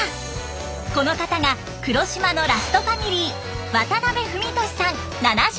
この方が黒島のラストファミリー。